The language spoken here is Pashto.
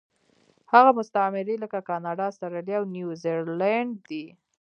هغه مستعمرې لکه کاناډا، اسټرالیا او نیوزیلینډ دي.